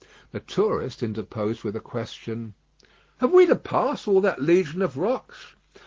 The tourist interposed with a question: "Have we to pass all that legion of rocks?"